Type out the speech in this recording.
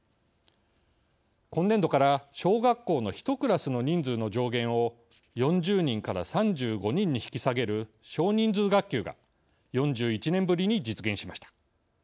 今年度から小学校の１クラスの人数の上限を４０人から３５人に引き下げる少人数学級が４１年ぶりに実現しました。